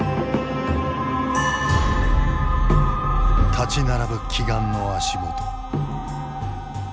立ち並ぶ奇岩の足元。